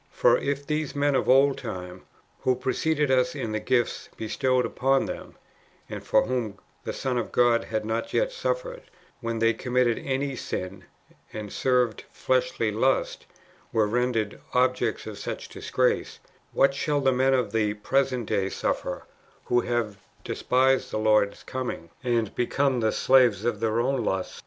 For if these men of old time, who preceded us in the gifts [bestowed upon them], and for whom the Son of God had not yet suffered, when they committed any sin and served fleshly lusts, were rendered objects of such disgrace, what shall the men of the present day suffer, wdio have despised the Lord's coming, and become the slaves of their own lusts